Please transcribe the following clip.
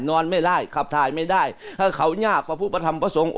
นอนไม่ได้ขับทายไม่ได้ถ้าเขายากพระพุทธพระธรรมประสงค์